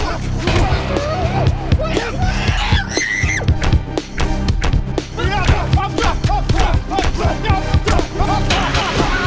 yang kepalanya berasep liat alina deket deket sama sakti